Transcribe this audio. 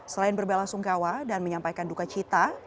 selain berbela sungkawa dan menyampaikan duka cita